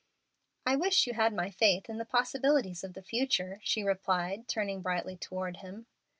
"I wish you had my faith in the possibilities of the future," she replied, turning brightly toward him.